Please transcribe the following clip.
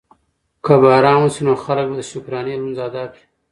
که باران وشي نو خلک به د شکرانې لمونځ ادا کړي.